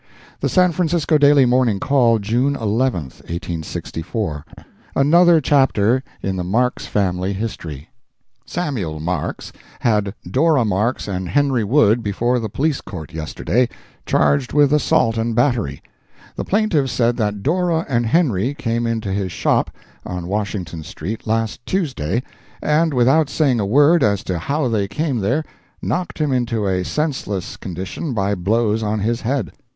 The San Francisco Daily Morning Call, June 11, 1864 ANOTHER CHAPTER IN THE MARKS FAMILY HISTORY Samuel Marks had Dora Marks and Henry Wood before the Police Court yesterday, charged with assault and battery. The plaintiff said that Dora and Henry came into his shop, on Washington street, last Tuesday, and, without saying a word as to how they came there, knocked him into a senseless condition by blows on his head.